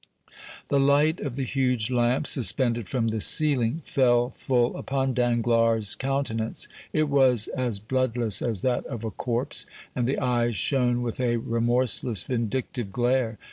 The light of the huge lamp, suspended from the ceiling, fell full upon Danglars' countenance; it was as bloodless as that of a corpse, and the eyes shone with a remorseless, vindictive glare.